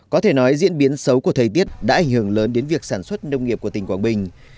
có thể nói diễn biến xấu của thời tiết đã ảnh hưởng lớn đến việc sản xuất nông nghiệp của tỉnh quảng bình